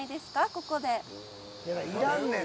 ここで。